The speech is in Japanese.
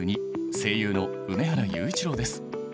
声優の梅原裕一郎です。